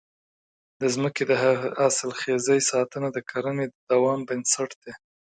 د ځمکې د حاصلخېزۍ ساتنه د کرنې د دوام بنسټ دی.